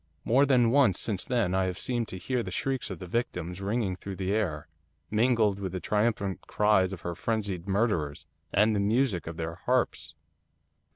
More than once since then I have seemed to hear the shrieks of the victims ringing through the air, mingled with the triumphant cries of her frenzied murderers, and the music of their harps.